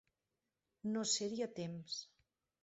No ser-hi a temps.